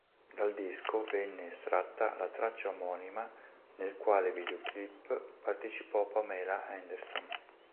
Dal disco venne estratta la traccia omonima nel quale videoclip partecipò Pamela Anderson.